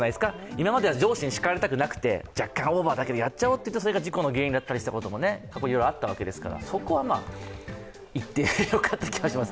今までは上司に叱られたくなくて若干オーバーだけどやっちゃおうということでやって、事故の原因だったりしたことが過去にいろいろあったわけですからそこは言ってよかったと思います。